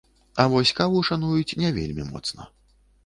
А вось каву шануюць не вельмі моцна.